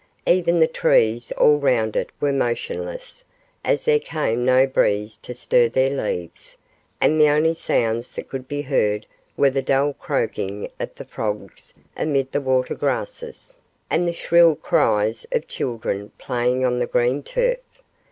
Even the trees all round it were motionless, as there came no breeze to stir their leaves, and the only sounds that could be heard were the dull croaking of the frogs amid the water grasses, and the shrill cries of children playing on the green turf.